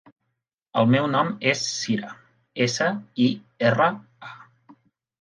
El meu nom és Sira: essa, i, erra, a.